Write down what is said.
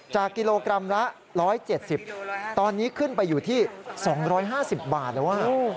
กิโลกรัมละ๑๗๐ตอนนี้ขึ้นไปอยู่ที่๒๕๐บาทแล้ว